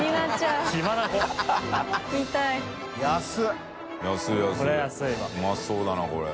うまそうだなこれ。